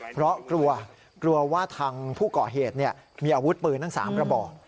เพราะกลัวกลัวว่าทางผู้ก่อเหตุมีอาวุธปืนทั้ง๓กระบอก